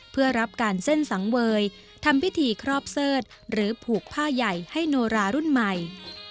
เพื่อรับการเส้นสังเวยทำพิธีครอบเสิร์ธหรือผูกผ้าใหญ่ให้โนรารุ่นใหม่